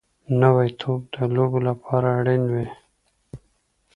نوی توپ د لوبو لپاره اړین وي